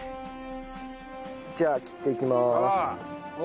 じゃあ切っていきます。